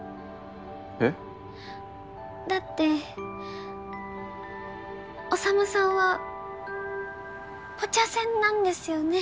えっ？だって宰さんはぽちゃ専なんですよね？